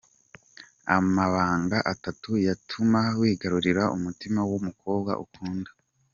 Amabanga atatu yatuma wigarurira umutima w'umukobwa ukunda.